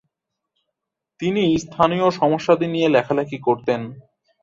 তিনি স্থানীয় সমস্যাদি নিয়ে লেখালেখি করতেন।